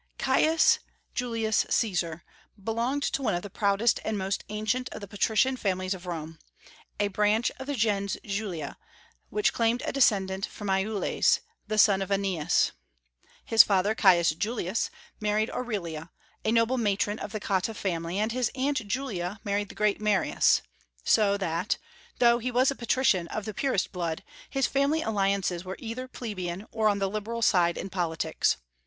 Caius Julius Caesar belonged to one of the proudest and most ancient of the patrician families of Rome, a branch of the gens Julia, which claimed a descent from Iules, the son of Aeneas. His father, Caius Julius, married Aurelia, a noble matron of the Cotta family, and his aunt Julia married the great Marius; so that, though he was a patrician of the purest blood, his family alliances were either plebeian or on the liberal side in politics.